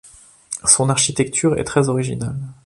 Son architecture est très originale.